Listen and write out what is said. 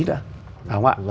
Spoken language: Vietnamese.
đúng không ạ